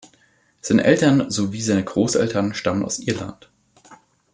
Seine Eltern sowie seine Großeltern stammen aus Irland.